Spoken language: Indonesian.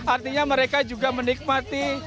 artinya mereka juga menikmati